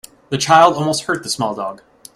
The child almost hurt the small dog.